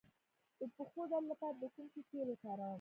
د پښو درد لپاره د کوم شي تېل وکاروم؟